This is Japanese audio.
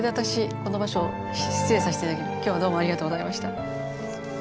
この場所失礼させて今日はどうもありがとうございました。